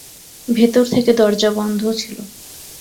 ভেতর থেকে দরজা বন্ধ ছিল।